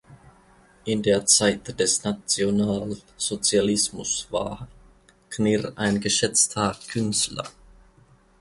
In der Zeit des Nationalsozialismus war Knirr ein geschätzter Künstler.